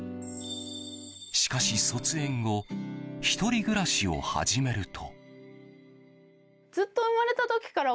しかし、卒園後１人暮らしを始めると。